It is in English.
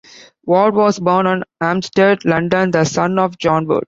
Ward was born at Hampstead, London, the son of John Ward.